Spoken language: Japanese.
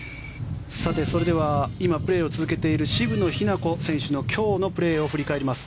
それでは今プレーを続けている渋野日向子選手の今日のプレーを振り返ります。